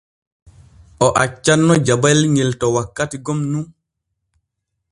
O accanno jabayel ŋel to wakkati gom nun.